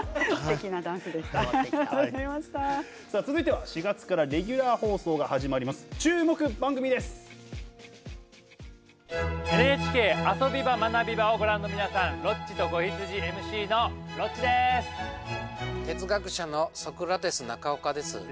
続いては４月からレギュラー放送が始まります